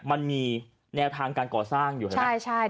มันมีแนวทางการก่อสร้างอยู่ใช่ไหม